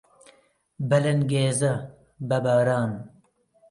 بە لەنگێزە، بە باران